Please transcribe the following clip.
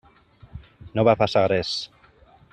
No va passar res.